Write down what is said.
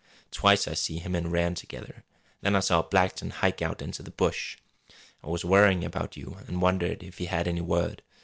Twice I see him and Rann together. Then I saw Blackton hike out into the bush. I was worrying about you an' wondered if he had any word.